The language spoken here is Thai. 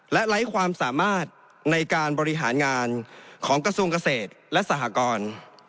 และไร้ความสามารถในการบริหารงานของกระทรวงเกษตรและสหกร